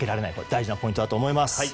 大事なポイントだと思います。